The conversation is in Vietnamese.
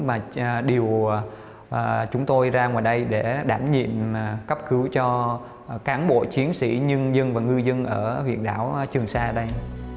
và điều chúng tôi ra ngoài đây để đảm nhiệm cấp cứu cho cán bộ chiến sĩ nhân dân và ngư dân ở huyện đảo trường sa đây